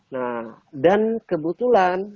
nah dan kebetulan